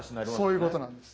そういうことなんです。